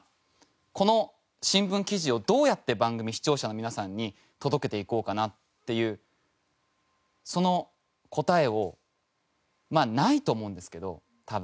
この新聞記事をどうやって番組視聴者の皆さんに届けていこうかなっていうその答えをまあないと思うんですけど多分。